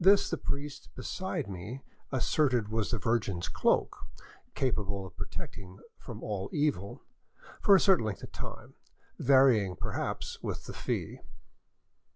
This the priest beside me asserted was the Virgin's cloak, capable of protecting from all evil, for a certain length of time — varying, perhaps, with the fee.